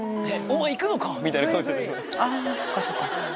そっか、そっか。